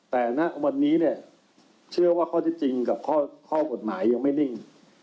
แต่ณวันนี้เนี่ยเชื่อว่าข้อที่จริงกับข้อกฎหมายยังไม่นิ่ง